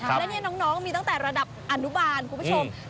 และนี่น้องมีตั้งแต่ระดับอนุบาลคุณผู้ชม